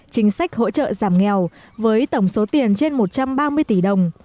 chính sách hỗ trợ giảm nghèo với tổng số tiền trên một trăm ba mươi tỷ đồng